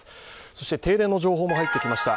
そして停電の情報も入ってきました。